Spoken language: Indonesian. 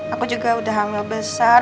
aku juga udah hamil besar